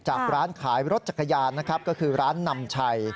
ร้านขายรถจักรยานนะครับก็คือร้านนำชัย